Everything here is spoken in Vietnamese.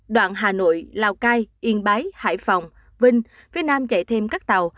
đoạn hà nội lào cai yên bái hải phòng vinh phía nam chạy thêm các tàu